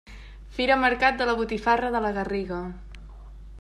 Fira Mercat de la Botifarra de la Garriga.